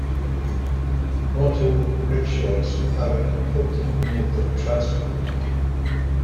Auto-rickshaws are an important mode of transport.